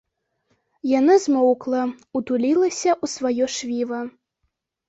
Яна змоўкла, утулілася ў сваё швіва.